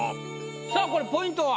さあこれポイントは？